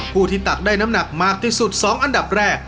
ผู้ที่ตักได้น้ำหนักมากที่สุด๒อันดับแรก